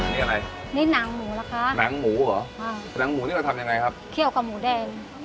นี่อะไรนี่หนังหมูล่ะคะหนังหมูเหรออ่าหนังหมูนี่เราทำยังไงครับเคี่ยวกับหมูแดง